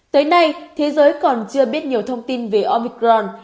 tới nay thế giới còn chưa biết nhiều thông tin về omicron